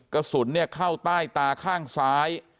กระสุนเข้าใต้ตาข้างซ้าย